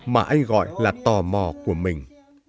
mà anh gọi là tò mò của mình